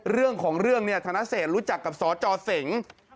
เรื่องของเรื่องเนี่ยธนเศษรู้จักกับสจเสง